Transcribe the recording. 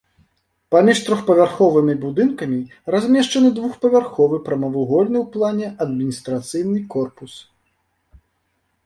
Паміж трохпавярховымі будынкамі размешчаны двухпавярховы прамавугольны ў плане адміністрацыйны корпус.